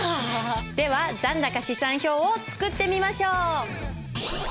では残高試算表を作ってみましょう！